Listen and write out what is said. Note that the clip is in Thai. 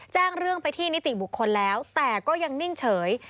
แจ้งเรื่องไปที่นิติบุคคลแล้วแต่ก็ยังนิ่งเฉย